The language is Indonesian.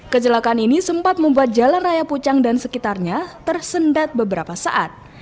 kecelakaan ini sempat membuat jalan raya pucang dan sekitarnya tersendat beberapa saat